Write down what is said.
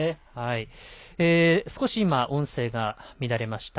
少し音声が乱れました。